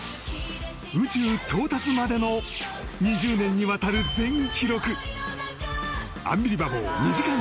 宇宙到達までの２０年にわたる全記録。